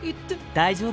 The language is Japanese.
大丈夫。